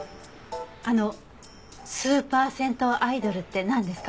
あのスーパー銭湯アイドルってなんですか？